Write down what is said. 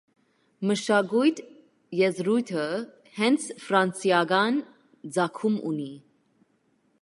«Մշակույթ» եզրույթը հենց ֆրանսիական ծագում ունի։